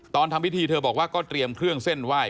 ทำพิธีเธอบอกว่าก็เตรียมเครื่องเส้นไหว้